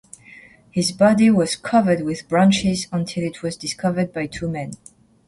His body was covered with branches until it was discovered by two men.